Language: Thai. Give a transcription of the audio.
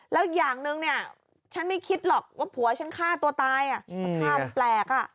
แล้วอย่างหนึ่งเนี่ยฉันไม่คิดหรอกว่าผัวฉันฆ่าตัวตายสภาพมันแปลก